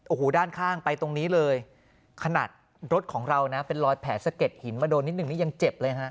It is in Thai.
โอ้โหด้านข้างไปตรงนี้เลยขนาดรถของเรานะเป็นรอยแผลสะเก็ดหินมาโดนนิดนึงนี่ยังเจ็บเลยฮะ